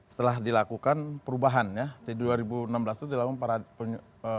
setelah dilakukan perubahan ya di dua ribu enam belas itu dilakukan para penyu